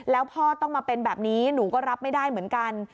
แล้วพ่อต้องมาเป็นแบบนี้หนูก็รับไม่ได้เหมือนกัน